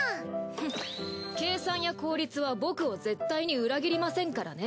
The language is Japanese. フッ計算や効率は僕を絶対に裏切りませんからね。